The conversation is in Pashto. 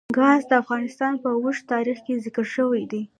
ګاز د افغانستان په اوږده تاریخ کې ذکر شوی دی.